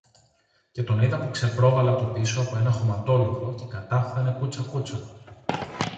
Και τον είδα που ξεπρόβαλε από πίσω από ένα χωματόλοφο και κατάφθανε κούτσα κούτσα.